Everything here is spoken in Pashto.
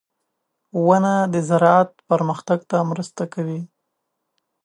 • ونه د زراعت پرمختګ ته مرسته کوي.